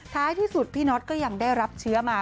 ท้ายที่สุดพี่น็อตก็ยังได้รับเชื้อมา